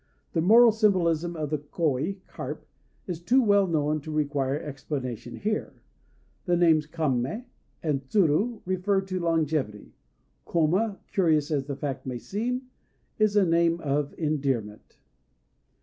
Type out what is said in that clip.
The moral symbolism of the Koi (Carp) is too well known to require explanation here. The names Kamé and Tsuru refer to longevity. Koma, curious as the fact may seem, is a name of endearment.